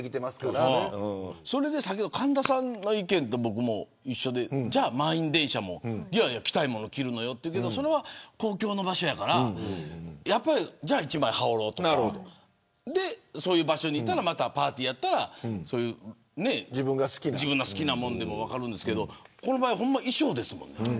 それで先ほど神田さんの意見と一緒でじゃあ満員電車も着たいもの着るのよと言うけどそれは公共の場所やからじゃあ１枚羽織ろうとかそういう場所にいたらパーティーやったら自分の好きなもんでも分かるんですけどこの場合、衣装ですもんね。